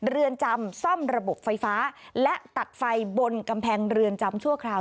เรือนจำซ่อมระบบไฟฟ้าและตัดไฟบนกำแพงเรือนจำชั่วคราว